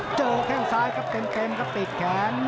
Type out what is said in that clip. แข้งซ้ายครับเต็มครับติดแขน